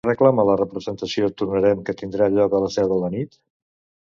Què reclama la representació “Tornarem” que tindrà lloc a les deu de la nit?